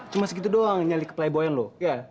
cuma segitu doang nyali ke playboy an lu iya